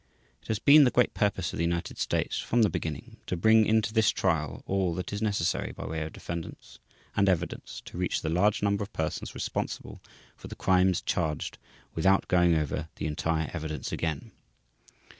It has been the great purpose of the United States from the beginning to bring into this one trial all that is necessary by way of defendants and evidence to reach the large number of persons responsible for the crimes charged without going over the entire evidence again.